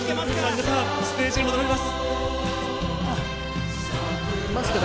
皆さん、ステージに戻ります。